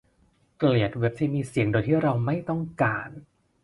เกลียดเว็บที่มีเสียงโดยที่เราไม่ต้องการ